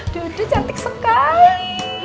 duduk cantik sekali